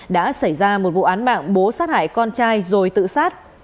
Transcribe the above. đã xảy ra một vụ án mạng bố sát hại con trai rồi tự sát